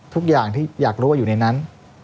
ทุกอย่างที่อยากรู้ว่าอยู่ในนั้น